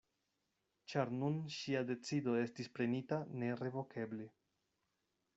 Ĉar nun ŝia decido estis prenita nerevokeble.